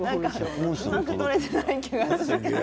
うまく撮れていない気がする。